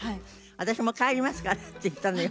「私もう帰りますから」って言ったのよ。